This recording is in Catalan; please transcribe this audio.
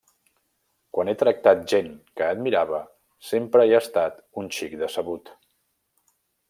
Quan he tractat gent que admirava, sempre he estat un xic decebut.